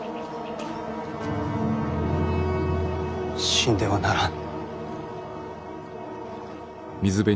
死んではならん。